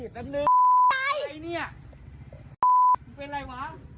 กูเป็นแบบ